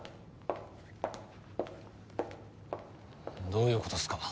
どういうことっすか？